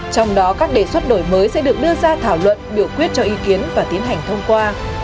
trong đó các đề xuất đổi mới sẽ được đưa ra thảo luận biểu quyết cho ý kiến và tiến hành thông qua